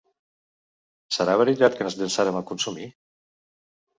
Serà veritat que ens llançarem a consumir?